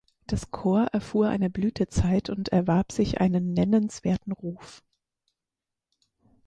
Das Corps erfuhr eine Blütezeit und erwarb sich einen nennenswerten Ruf.